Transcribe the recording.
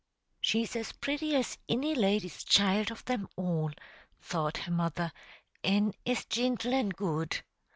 "She's as pretty as inny lady's child of them all," thought her mother; "an' as gintle an' good."